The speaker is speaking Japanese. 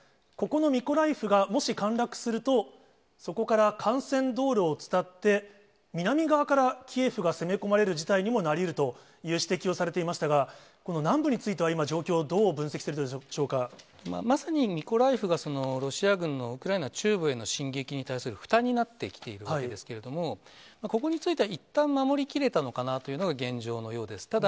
ここのミコライフがもし陥落すると、そこから幹線道路を伝って、南側からキエフが攻め込まれる事態にもなりうるという指摘をされていましたが、この南部については今、状況、どう分析しているでまさにミコライフが、ロシア軍のウクライナ中部への進撃に対する負担になってきているわけですけれども、ここについては、いったん守りきれたのかなというのが現状のようです。